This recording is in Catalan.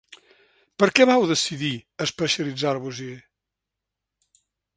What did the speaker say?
Per què vau decidir especialitzar-vos-hi?